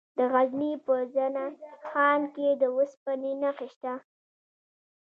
د غزني په زنه خان کې د اوسپنې نښې شته.